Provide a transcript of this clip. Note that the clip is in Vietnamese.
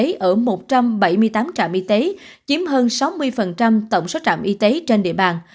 y tế ở một trăm bảy mươi tám trạm y tế chiếm hơn sáu mươi tổng số trạm y tế trên địa bàn